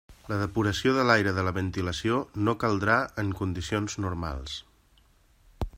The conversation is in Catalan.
La depuració de l'aire de la ventilació no caldrà en condicions normals.